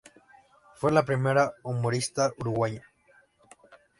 Fue la primera humorista uruguaya.